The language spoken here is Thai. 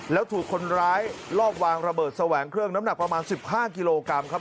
แล้วถูกคนร้ายรอบวางระเบิดแสวงเครื่องน้ำหนักประมาณ๑๕กิโลกรัมครับ